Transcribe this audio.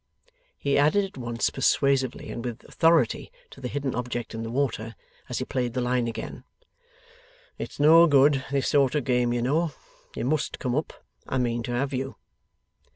he added, at once persuasively and with authority to the hidden object in the water, as he played the line again; 'it's no good this sort of game, you know. You MUST come up. I mean to have you.